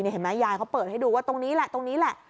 เห็นไหมยายเขาเปิดให้ดูว่าตรงนี้แหละตรงนี้แหละ